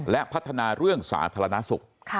และพัฒนาเรื่องสาธารณสุข